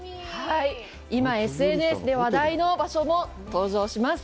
今ＳＮＳで話題の場所も登場します。